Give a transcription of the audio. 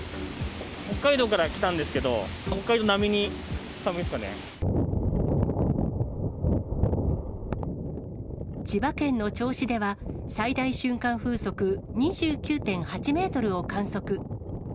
北海道から来たんですけど、千葉県の銚子では、最大瞬間風速２９．８メートルを観測。